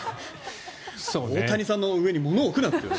大谷さんの上に物を置くなと。